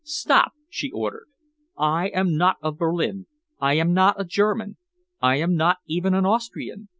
"Stop!" she ordered. "I am not of Berlin. I am not a German. I am not even an Austrian.